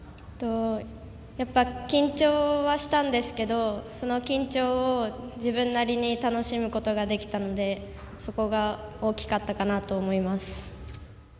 やっぱ緊張はしたんですけどその緊張を自分なりに楽しむことができたのでそこが大きかったかなと思います。